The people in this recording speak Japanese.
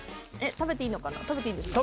食べていいのかな食べていいんですか？